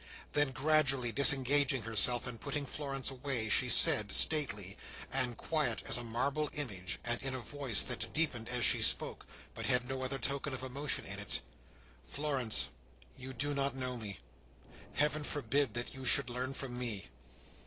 Then gradually disengaging herself, and putting Florence away, she said, stately, and quiet as a marble image, and in a voice that deepened as she spoke, but had no other token of emotion in it: "Florence, you do not know me! Heaven forbid that you should learn from me!"